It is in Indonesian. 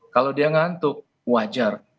kalau dia ngantuk wajar